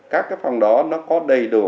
các phòng đó có đầy đủ